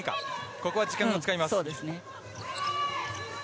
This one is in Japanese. ここは時間を使います。